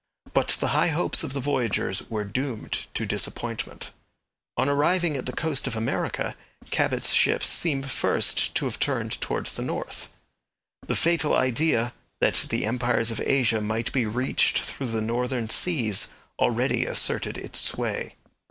But the high hopes of the voyagers were doomed to disappointment. On arriving at the coast of America Cabot's ships seem first to have turned towards the north. The fatal idea, that the empires of Asia might be reached through the northern seas already asserted its sway.